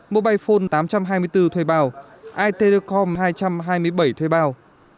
mobilephone tám trăm hai mươi bốn thuê bao itelcom hai trăm hai mươi bảy thuê bao